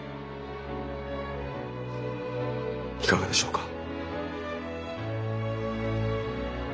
いかがでしょうか？